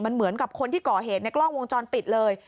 เหมือนกับคนที่ก่อเหตุในกล้องวงจรปิดเลย